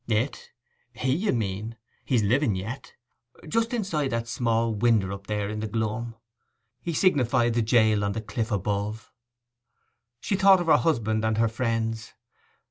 'It?_—he_, you mean; he's living yet. Just inside that little small winder up there in the glum.' He signified the jail on the cliff above. She thought of her husband and her friends.